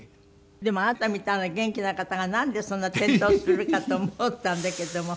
でもあなたみたいな元気な方がなんでそんな転倒するかと思ったんだけども。